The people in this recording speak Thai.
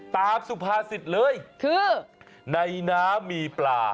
สุภาษิตเลยคือในน้ำมีปลา